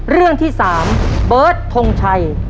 เรื่องที่๓เบิร์ตทงชัย